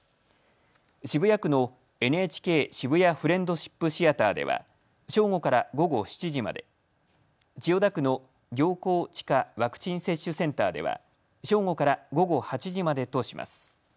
渋谷区のＮＨＫ渋谷フレンドシップシアターでは正午から午後７時まで、千代田区の行幸地下ワクチン接種センターでは正午から午後８時までとします。